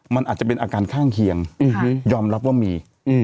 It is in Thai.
มันอาจจะเป็นอาการข้างเคียงยอมรับว่ามี